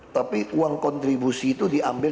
tapi uang kontribusi itu diambil